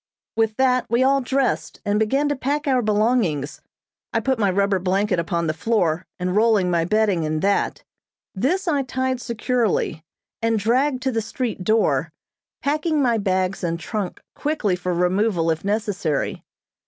With that, we all dressed, and began to pack our belongings; I putting my rubber blanket upon the floor and rolling my bedding in that. This I tied securely, and dragged to the street door, packing my bags and trunk quickly for removal if necessary.